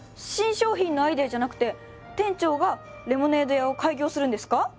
新商品のアイデアじゃなくて店長がレモネード屋を開業するんですか？